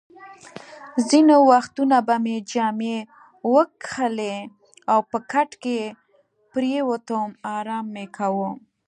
ځینې وختونه به مې جامې وکښلې او په کټ کې پرېوتم، ارام مې کاوه.